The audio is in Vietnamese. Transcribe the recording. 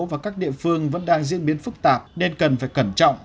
và các địa phương vẫn đang diễn biến phức tạp nên cần phải cẩn trọng